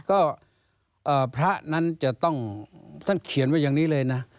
ก็พระนั้นจะต้องท่านเขียนไว้อย่างนี้เลยนะ